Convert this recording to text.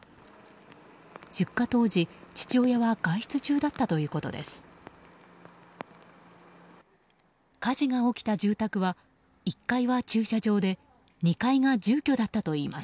出火当時、父親は外出中だったということです。